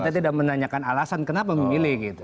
kita tidak menanyakan alasan kenapa memilih gitu